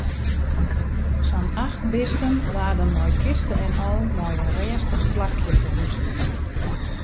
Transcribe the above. Sa'n acht bisten waarden mei kiste en al nei in rêstich plakje ferhuze.